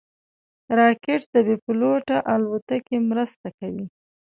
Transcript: راکټ د بېپيلوټه الوتکو مرسته کوي